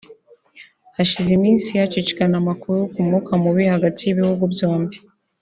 Hashize iminsi hacicikana amakuru ku mwuka mubi hagati y’ibihugu byombi